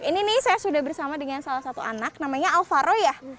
ini nih saya sudah bersama dengan salah satu anak namanya alvaro ya